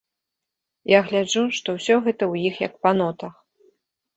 Я гляджу, што ўсё гэта ў іх як па нотах.